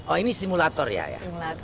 oh ini simulator ya